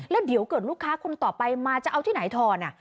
แล้วเดี๋ยวเกิดลูกค้าคนต่อไปมาจะเอาที่ไหนทอน